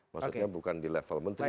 maksudnya bukan di level menteri